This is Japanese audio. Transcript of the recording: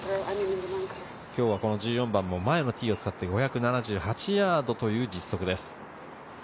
今日は、この１４番も前のティーを使って５７８ヤードという実測です。